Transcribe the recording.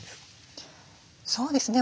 そうですね。